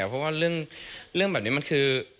เพราะว่าเรื่องแบบนี้มันคือ